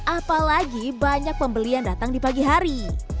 apalagi banyak pembeli yang datang di pagi hari